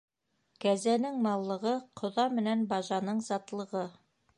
Кәзәнең маллығы, ҡоҙа менән бажаның затлығы.